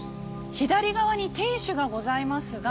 左側に天守がございますが。